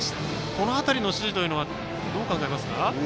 この辺りの指示はどう考えますか？